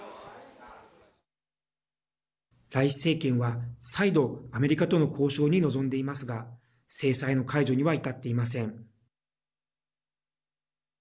ライシ政権は、再度アメリカとの交渉に臨んでいますが制裁の解除には至っていません。